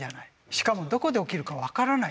しかもどこで起きるか分からない。